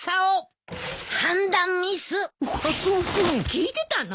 聞いてたの？